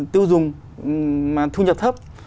tiêu dùng mà thu nhập thấp